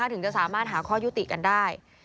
ถึงจะสามารถหาข้อยุติกันได้